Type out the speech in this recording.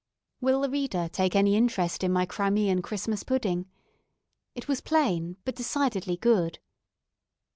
Will the reader take any interest in my Crimean Christmas pudding? It was plain, but decidedly good.